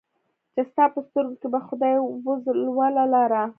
چې ستا په سترګو کې به خدای وځلوله لاره